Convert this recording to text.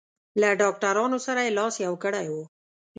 له ډاکټرانو سره یې لاس یو کړی و.